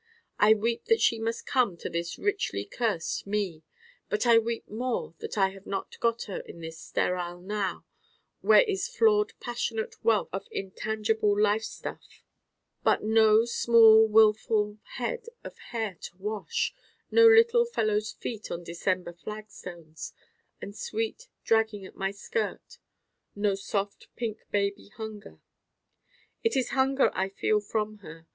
I weep that she must come to this richly cursed me. But I weep more that I have not got her in this sterile now, where is flawed passionate wealth of intangible life stuff: but no small round wilful head of hair to wash: no little fellow's feet on December flagstones and sweet dragging at my skirt: no soft pink baby hunger It is hunger I feel from her.